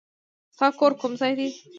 ستا کور کوم ځای دی؟